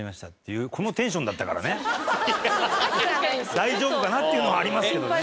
大丈夫かな？っていうのはありますけどね。